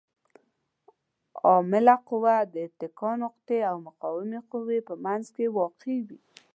عامله قوه د اتکا نقطې او مقاومې قوې په منځ کې واقع وي.